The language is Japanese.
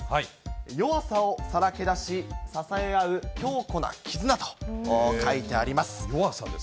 弱さをさらけ出し支え合う強固な絆と書いてあります。